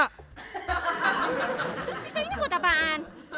terus pisau ini buat apaan